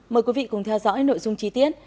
mời quý vị cùng theo dõi nội dung chi tiết